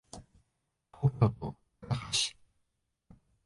東京都三鷹市